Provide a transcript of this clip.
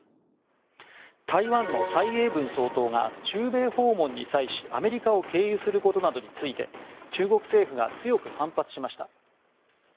台湾の蔡英文総統が中米訪問に際しアメリカを経由することなどについて中国政府が強く反発しました。